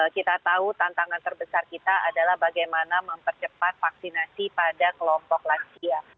kita tahu tantangan terbesar kita adalah bagaimana mempercepat vaksinasi pada kelompok lansia